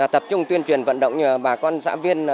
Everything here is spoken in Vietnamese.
tập trung tuyên truyền vận động bà con xã viên